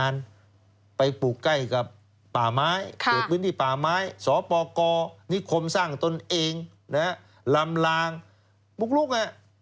นิคมสร้างของตนเองลำลางมุกลุกไง